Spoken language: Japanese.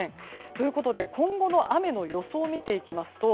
ということで今後の雨の予想を見ていきますと